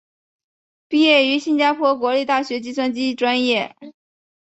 毕业于新加坡国立大学计算机专业。